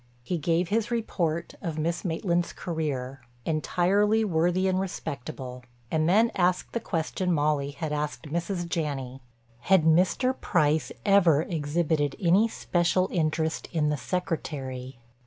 He gave his report of Miss Maitland's career—entirely worthy and respectable—and then asked the question Molly had asked Mrs. Janney: had Mr. Price ever exhibited any special interest in the secretary?